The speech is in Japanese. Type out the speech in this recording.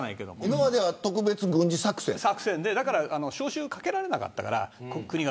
今までは特別軍事作戦で召集かけられなかったから。